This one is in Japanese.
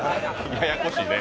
ややこしいね。